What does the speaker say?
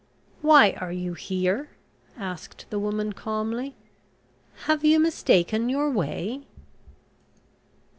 "Why are you here?" asked the woman calmly. "Have you mistaken your way?"